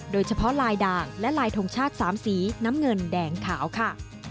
โดยเฉพาะลายด่างและลายทงชาติ๓สีน้ำเงินแดงขาวค่ะ